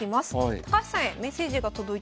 高橋さんへメッセージが届いております。